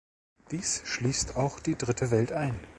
Dies schließt auch die Dritte Welt ein.